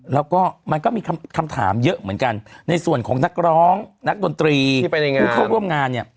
แล้วก็มันก็มีคำถามเยอะเหมือนกันในส่วนของนักร้องนักดนตรีผู้เข้าร่วมงานเนี่ย